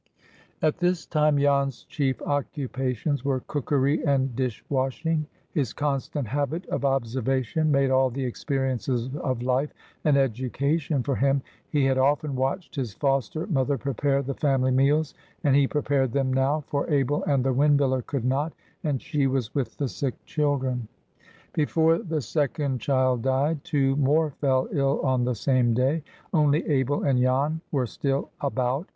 At this time Jan's chief occupations were cookery and dish washing. His constant habit of observation made all the experiences of life an education for him; he had often watched his foster mother prepare the family meals, and he prepared them now, for Abel and the windmiller could not, and she was with the sick children. Before the second child died, two more fell ill on the same day. Only Abel and Jan were still "about."